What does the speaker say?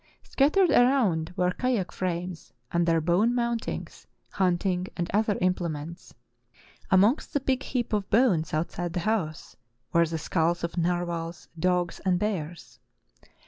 Scattered around were kayak frames and their bone mountings, hunting and other implements. Amongst the big heap of bones outside the house were the skulls of narwhals, dogs, and bears.